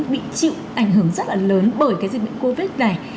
bị chịu ảnh hưởng rất là lớn bởi cái dịch bệnh covid này